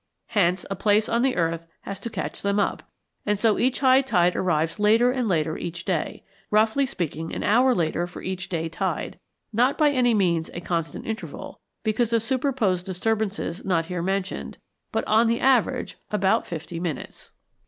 Hence a place on the earth has to catch them up, and so each high tide arrives later and later each day roughly speaking, an hour later for each day tide; not by any means a constant interval, because of superposed disturbances not here mentioned, but on the average about fifty minutes.